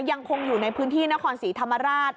ยังคงอยู่ในพื้นที่นครศรีธรรมราช